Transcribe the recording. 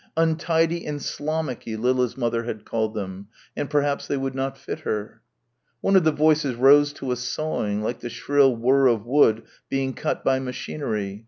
untidy and slommucky Lilla's mother had called them ... and perhaps they would not fit her.... One of the voices rose to a sawing like the shrill whir of wood being cut by machinery....